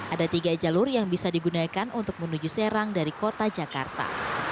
ada tiga jalur yang bisa digunakan untuk menuju serang dari kota jakarta